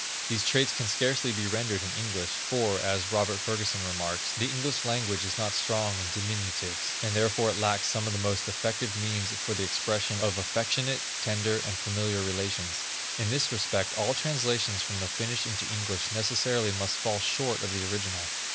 These traits can scarcely be rendered in English; for, as Robert Ferguson remarks: "The English language is not strong in diminutives, and therefore it lacks some of the most effective means for the expression of affectionate, tender, and familiar relations." In this respect all translations from the Finnish into English necessarily must fall short of the original.